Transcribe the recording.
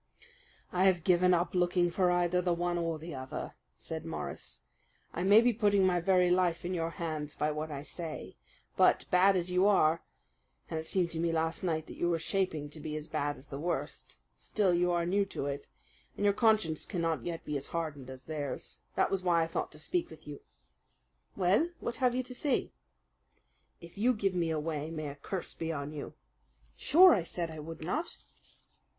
"I have given up looking for either the one or the other," said Morris. "I may be putting my very life in your hands by what I say; but, bad as you are and it seemed to me last night that you were shaping to be as bad as the worst still you are new to it, and your conscience cannot yet be as hardened as theirs. That was why I thought to speak with you." "Well, what have you to say?" "If you give me away, may a curse be on you!" "Sure, I said I would not."